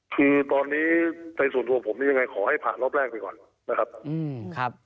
คือตอนนี้ในส่วนตัวผมนี่ยังไงขอให้ผ่านรอบแรกไปก่อนนะครับ